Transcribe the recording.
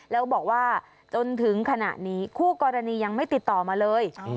แล้วบอกว่าจนถึงขณะนี้คู่กรณียังไม่ติดต่อมาเลย